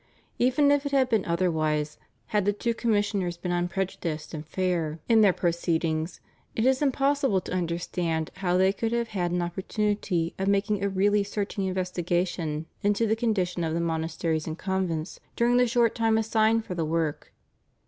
Even if it had been otherwise, had the two commissioners been unprejudiced and fair in their proceedings, it is impossible to understand how they could have had an opportunity of making a really searching investigation into the condition of the monasteries and convents during the short time assigned for the work.